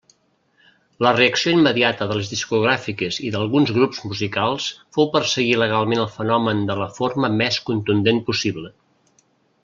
La reacció immediata de les discogràfiques i d'alguns grups musicals fou perseguir legalment el fenomen de la forma més contundent possible.